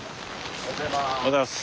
おはようございます。